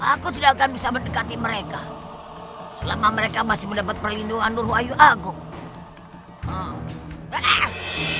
aku tidak akan bisa mendekati mereka selama mereka masih mendapat perlindungan nur wahyu agung